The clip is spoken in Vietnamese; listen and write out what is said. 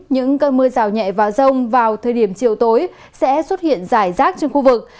những cơn mưa rào nhẹ và rông vào thời điểm chiều tối sẽ xuất hiện rải rác trên khu vực